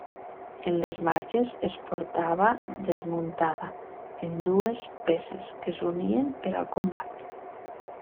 En les marxes es portava desmuntada en dues peces que s'unien per al combat.